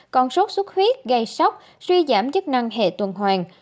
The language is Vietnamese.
còn sốt sốt huyết gây sốc suy giảm chức năng hệ tuần hoàng